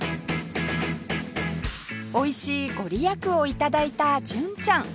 おいしいご利益を頂いた純ちゃん